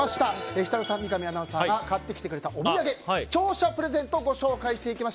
設楽さん、三上アナウンサーが買ってきてくれたお土産視聴者プレゼントをご紹介します。